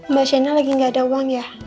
mbak shaina lagi enggak ada uang ya